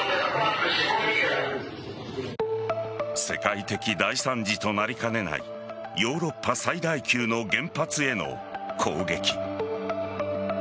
世界的大惨事となりかねないヨーロッパ最大級の原発への攻撃。